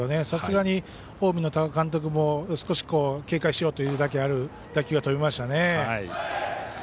さすがに近江の多賀監督も少し警戒しようというだけある打球が飛びましたね。